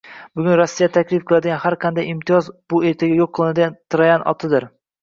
Bugun Rossiya taklif qiladigan har qanday imtiyoz - bu ertaga yo'q qiladigan troyan otidir